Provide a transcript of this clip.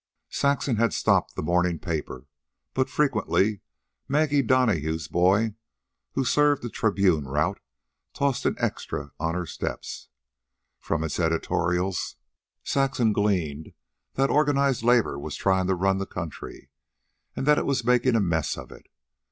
Saxon had stopped the morning paper, but frequently Maggie Donahue's boy, who served a Tribune route, tossed an "extra" on her steps. From its editorials Saxon gleaned that organized labor was trying to run the country and that it was making a mess of it.